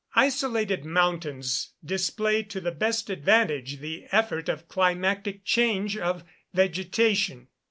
Isolated mountains display to the best advantage the effort of climatic change of vegetation.